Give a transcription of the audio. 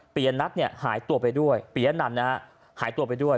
ยนัทเนี่ยหายตัวไปด้วยปียะนันนะฮะหายตัวไปด้วย